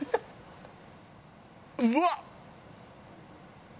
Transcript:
うわっ！